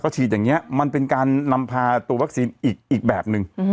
ฉีดอย่างนี้มันเป็นการนำพาตัววัคซีนอีกแบบนึง